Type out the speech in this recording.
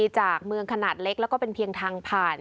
จากเมืองขนาดเล็กแล้วก็เป็นเพียงทางผ่าน